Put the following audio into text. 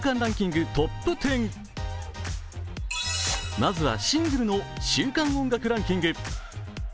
まずはシングルの週間音楽ランキング。